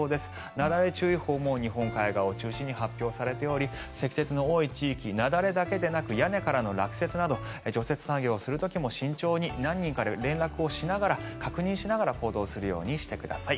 なだれ注意報も日本海側を中心に発表されており積雪の多い地域雪崩だけでなく屋根からの落雪など除雪作業をする時も慎重に何人かで連絡をしながら確認をしながら行動するようにしてください。